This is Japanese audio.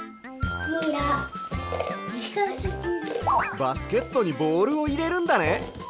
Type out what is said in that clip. バスケットにボールをいれるんだね。